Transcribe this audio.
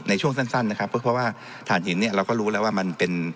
ในช่วงสั้นนะครับเพราะว่าฐานหินเนี่ยเราก็รู้แล้วว่ามันเป็น